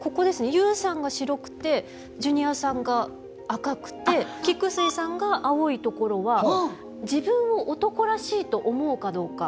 ＹＯＵさんが白くてジュニアさんが赤くて菊水さんが青い所は自分を男らしいと思うかどうか。